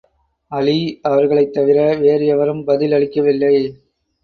அலீ அவர்களைத் தவிர வேறு எவரும் பதில் அளிக்கவில்லை.